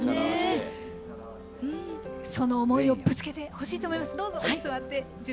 その思いをぶつけてほしいと思います。